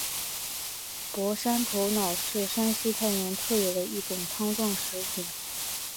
傅山头脑是山西太原特有的一种汤状食品。